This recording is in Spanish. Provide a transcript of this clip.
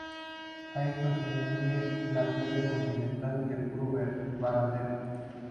A estos se une la Playa Continental de Punta Varadero.